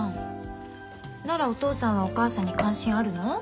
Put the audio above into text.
ならお父さんはお母さんに関心あるの？